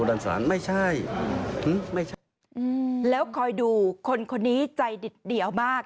แล้วคอยดูคนนี้จัดใดเดี๋ยวมาก